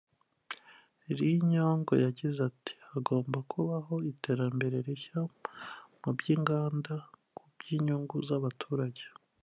Li Yong yagize ati “hagomba kubaho iterambere rishya mu by’inganda ku bw’inyungu z’abaturage